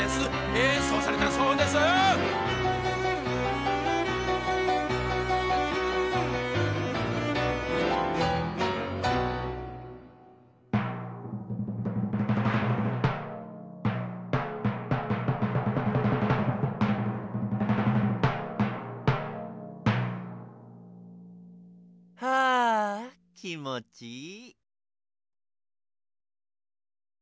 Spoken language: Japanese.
演奏されたそうですはあ気持ちいい。